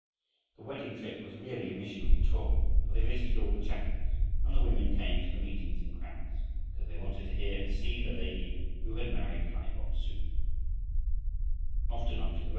The wedding trip was really a missionary tour; for they visited all the chapels, and the women came to the meetings in crowds, because they wanted to hear and see the lady who had married Kai Bok su.